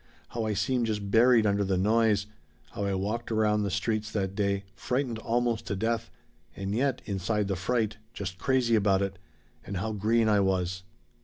How I seemed just buried under the noise. How I walked around the streets that day frightened almost to death and yet, inside the fright, just crazy about it. And how green I was!